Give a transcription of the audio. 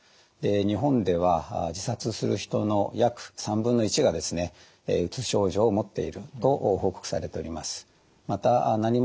日本では自殺する人の約1/3がですねうつ症状を持っていると報告されております。